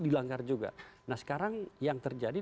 dilanggar juga nah sekarang yang terjadi